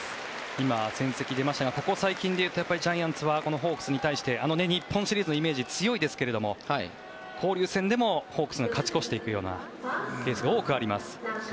今、戦績出ましたがここ最近でいうとジャイアンツはホークスに対してあの日本シリーズのイメージが強いですが交流戦でもホークスが勝ち越していくようなケースが多くあります。